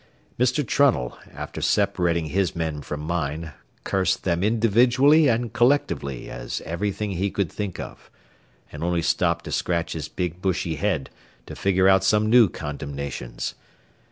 Mr. Trunnell, after separating his men from mine, cursed them individually and collectively as everything he could think of, and only stopped to scratch his big bushy head to figure out some new condemnations.